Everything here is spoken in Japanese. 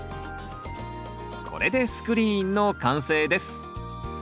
これでスクリーンの完成です